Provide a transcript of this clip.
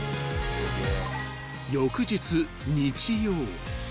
［翌日日曜］